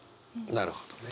なるほどね。